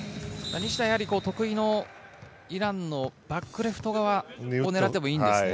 西田はやはり得意のイランのバックレフト側を狙ってもいいんですね。